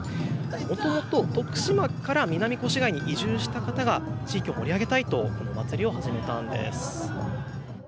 もともと徳島から南越谷に移住した方が地域を盛り上げたいとお祭りを始めたんです。